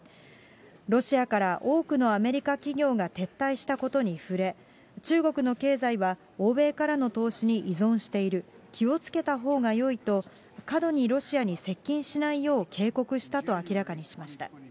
ロシアから多くのアメリカ企業が撤退したことに触れ、中国の経済は欧米からの投資に依存している、気をつけたほうがよいと、過度にロシアに接近しないよう、警告したと明らかにしました。